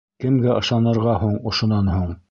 Кемгә ышанырға һуң ошонан һуң?